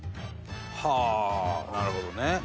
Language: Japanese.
はあなるほどね。